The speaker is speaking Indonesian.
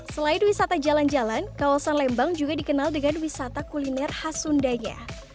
selain wisata jalan jalan kawasan lembang juga dikenal dengan wisata kuliner khas sundanya